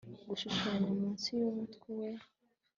gushushanya munsi yumutwe we